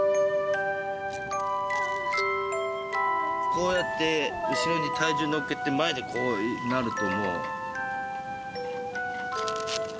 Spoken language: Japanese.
こうやって後ろに体重のっけて前でこうなるともう。